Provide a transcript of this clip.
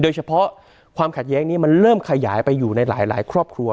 เฉพาะความขัดแย้งนี้มันเริ่มขยายไปอยู่ในหลายครอบครัว